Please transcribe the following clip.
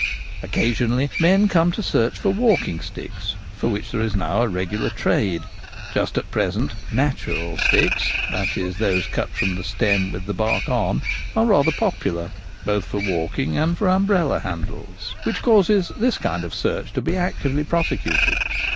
Occasionally men come to search for walking sticks, for which there is now a regular trade. Just at present 'natural* sticks — that is, those cut from the stem with the bark on — are rather popular, both for walking and for umbrella handles, which causes this kind of search to be actively prosecuted.